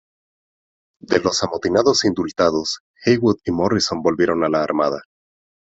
De los amotinados indultados, Heywood y Morrison volvieron a la Armada.